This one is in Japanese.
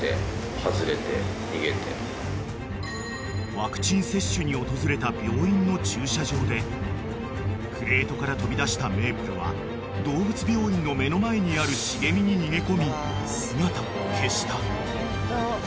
［ワクチン接種に訪れた病院の駐車場でクレートから飛び出したメープルは動物病院の目の前にある茂みに逃げ込み姿を消した］